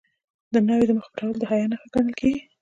د ناوې د مخ پټول د حیا نښه ګڼل کیږي.